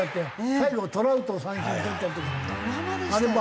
最後トラウトを三振に取った時なんか。